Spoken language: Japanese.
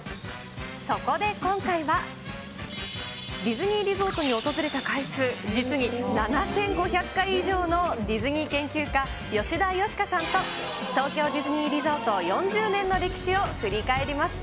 そこで今回は、ディズニーリゾートに訪れた回数、実に７５００回以上のディズニー研究家、吉田よしかさんと、東京ディズニーリゾート４０年の歴史を振り返ります。